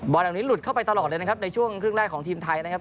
เหล่านี้หลุดเข้าไปตลอดเลยนะครับในช่วงครึ่งแรกของทีมไทยนะครับ